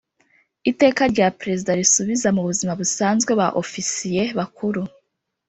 Iteka rya Perezida risubiza mu buzima busanzwe ba Ofisiye Bakuru .